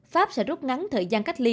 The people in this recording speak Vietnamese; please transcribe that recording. pháp sẽ rút ngắn thời gian cách ly